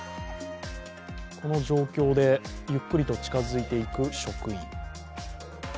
この状況でゆっくりと近づいていく職員。